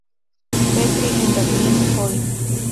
Petri en Berlín-Cölln.